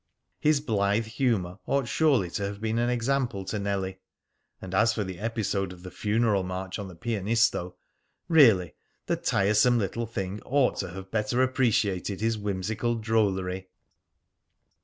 His blithe humour ought surely to have been an example to Nellie! And as for the episode of the funeral march on the "Pianisto," really, really, the tiresome little thing ought to have better appreciated his whimsical drollery!